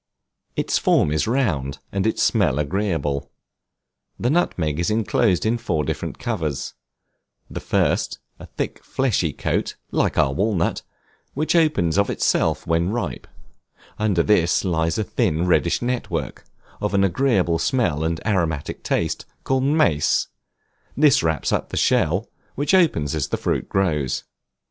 Its form is round, and its smell agreeable. The nutmeg is inclosed in four different covers; the first, a thick fleshy coat, (like our walnut,) which opens of itself when ripe; under this lies a thin reddish network, of an agreeable smell and aromatic taste, called mace; this wraps up the shell, which opens as the fruit grows.